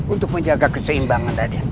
untuk menjaga keseimbangan